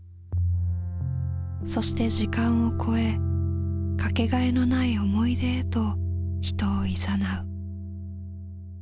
そして時間を超え掛けがえのない思い出へと人をいざなう。